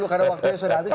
karena waktunya sudah habis